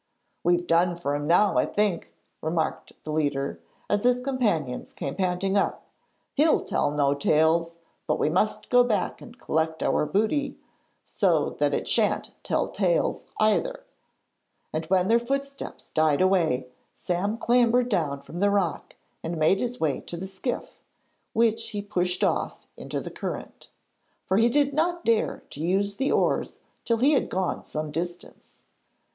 'We've done for him now I think,' remarked the leader, as his companions came panting up. 'He'll tell no tales; but we must go back and collect our booty, so that it shan't tell tales either,' and when their footsteps died away Sam clambered down from the rock and made his way to the skiff, which he pushed off into the current, for he did not dare to use the oars till he had gone some distance.